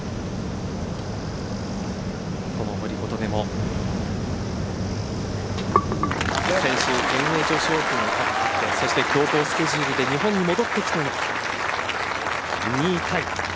この堀琴音も先週、全英女子オープンで強行スケジュールで戻ってきて２位タイ。